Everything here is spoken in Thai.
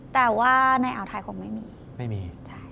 ไทยคงไม่มี